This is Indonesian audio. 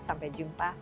sampai jumpa bye bye